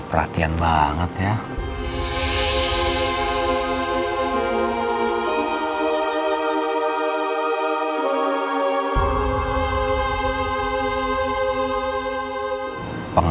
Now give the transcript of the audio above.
perhatian banget ya